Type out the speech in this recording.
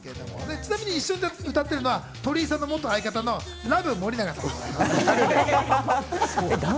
ちなみに、一緒に踊っているのは鳥居さんの元相方のラブ守永さん。